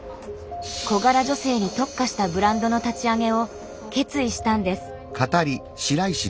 小柄女性に特化したブランドの立ち上げを決意したんです。